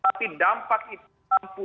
tapi dampak itu mampu